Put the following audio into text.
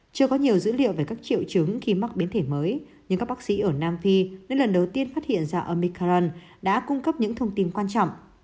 chưa có nhiều dữ liệu về các triệu chứng khi mắc biến thể mới nhưng các bác sĩ ở nam phi đã lần đầu tiên phát hiện ra omican đã cung cấp những thông tin quan trọng